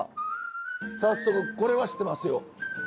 早速これは知ってますよ。